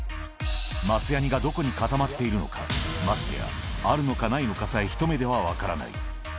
松やにがどこに固まっているのか、ましてや、あるのかないのかさえ、ひと目では分からない。